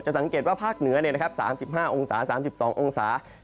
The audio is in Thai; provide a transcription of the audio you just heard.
จะสังเกตว่าภาคเหนือเนี่ยนะครับ๓๕องศา๓๒องศา